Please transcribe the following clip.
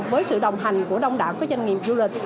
với sự đồng hành của đông đảo các doanh nghiệp du lịch